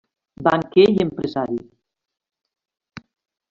Banquer i empresari.